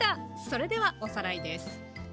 それではおさらいです。